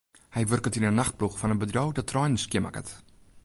Hy wurket yn 'e nachtploech fan in bedriuw dat treinen skjinmakket.